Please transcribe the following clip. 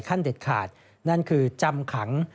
ขั้นเด็ดขาดนั่นคือจำขัง